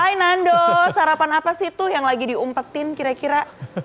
hai nando sarapan apa sih tuh yang lagi diumpetin kira kira